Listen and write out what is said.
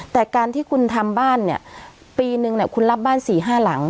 แต่การที่คุณทำบ้านเนี่ยปีนึงเนี่ยคุณรับบ้าน๔๕หลัง